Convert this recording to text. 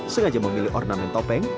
sengaja memilih ornamen topeng